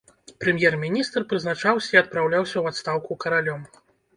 Прэм'ер-міністр прызначаўся і адпраўляўся ў адстаўку каралём.